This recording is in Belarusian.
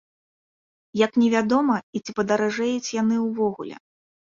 Як невядома, і ці падаражэюць яны ўвогуле.